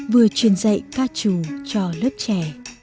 vừa truyền dạy ca trù cho lớp trẻ